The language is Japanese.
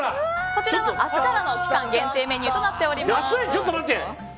こちらは明日からの期間限定メニューとなっております。